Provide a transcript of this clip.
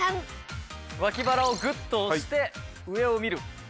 脇腹をグッと押して上を見る。